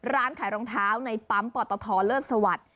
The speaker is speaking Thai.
ร้านขายรองเท้าในปั๊มปตทเลิศสวัสดิ์